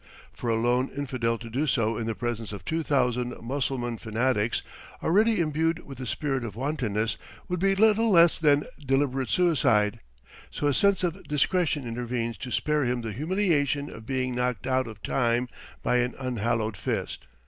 For a lone infidel to do so in the presence of two thousand Mussulman fanatics, already imbued with the spirit of wantonness, would be little less than deliberate suicide, so a sense of discretion intervenes to spare him the humiliation of being knocked out of time by an unhallowed fist.